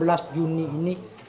belum ada komunikasi yang dibangun